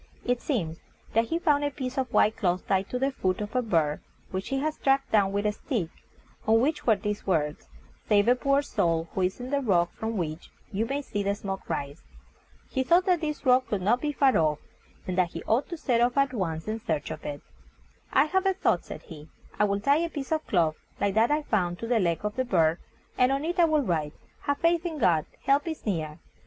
It seems that he found a piece of white cloth tied to the foot of a bird which he had struck down with a stick, on which were these words: "Save a poor soul, who is on the rock from which you may see the smoke rise." He thought that this rock could not be far off, and that he ought to set off at once in search of it. "I have a thought," said he; "I will tie a piece of cloth, like that I found, to the leg of the bird, and on it I will write, 'Have faith in God: help is near.'